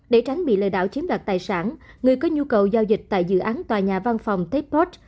để tránh bị lợi đạo chiếm đoạt tài sản người có nhu cầu giao dịch tại dự án tòa nhà văn phòng techbox